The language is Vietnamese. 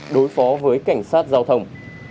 đối phó với cảnh sát giao thông